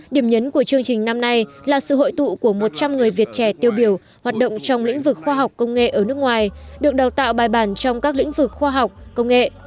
điểm nhấn của chương trình năm nay là sự hội tụ của một trăm linh người việt trẻ tiêu biểu hoạt động trong lĩnh vực khoa học công nghệ ở nước ngoài được đào tạo bài bản trong các lĩnh vực khoa học công nghệ